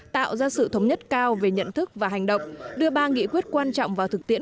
tạo ra sự thống nhất cao về nhận thức và hành động đưa ba nghị quyết quan trọng vào thực tiễn